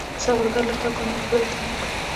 سوالګر له خلکو نه، له خدایه تمه لري